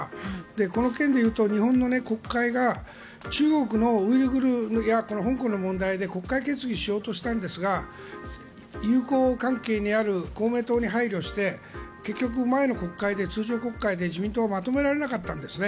この件で言うと日本の国会が中国のウイグルや香港の問題で国会決議しようとしたんですが友好関係にある公明党に配慮して結局、前の国会で自民党はまとめられなかったんですね。